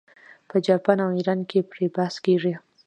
په جاپان او ایران کې پرې بحث کیږي.